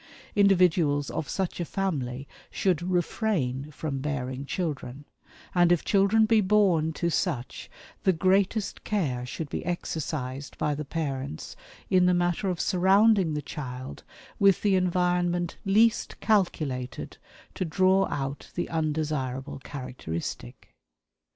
Individuals of such a family should refrain from bearing children; and if children be born to such the greatest care should be exercised by the parents in the matter of surrounding the child with the environment least calculated to "draw out" the undesirable characteristic.